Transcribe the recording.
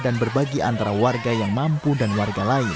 dan berbagi antara warga yang mampu dan warga lain